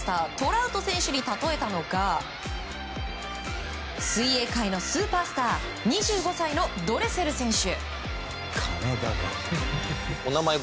ラウト選手に例えたのが水泳界のスーパースター２５歳のドレセル選手。